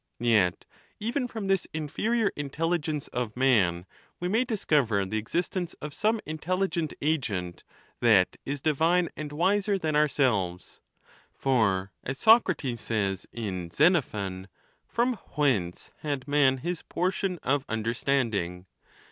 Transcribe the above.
_ Yet even from this inferior intelligence of man we may 262 THE NATURE OE THE GODS. discover the existence of some intelligent agent that is divine, and wiser than ourselves ; for, as Socrates says in Xenophon, from whence had man his portion of under standing